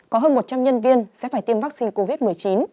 có hơn một trăm linh nhân viên sẽ phải tiêm vaccine covid một mươi chín